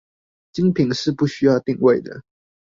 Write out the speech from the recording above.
精品是不需要定位的